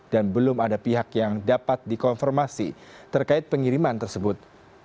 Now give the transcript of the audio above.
dan belum ada pihak yang dapat dikonfirmasi terkait pengiriman tersebut